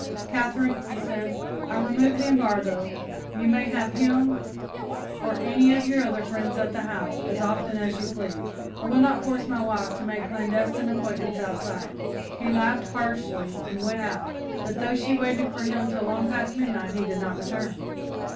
"Katherine," he said, "I remove the embargo; you may have him or any of your other friends at the house as often as you please. I will not force my wife to make clandestine appointments outside!" He laughed harshly and went out, but, though she waited for him till long past midnight, he did not return.